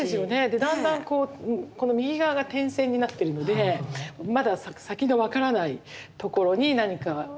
でだんだんこの右側が点線になってるのでまだ先が分からないところに何かエネルギーがあるような。